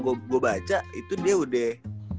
gue baca itu dia udah